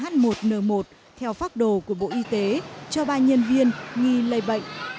cúm ah một n một theo pháp đồ của bộ y tế cho ba nhân viên nghi lây bệnh